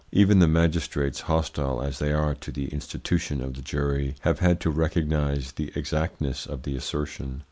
Even the magistrates, hostile as they are to the institution of the jury, have had to recognise the exactness of the assertion.